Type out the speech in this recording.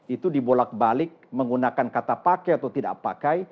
itu dibolak balik menggunakan kata pakai atau tidak pakai